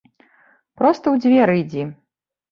Проста ў дзверы ідзі.